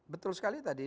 betul sekali tadi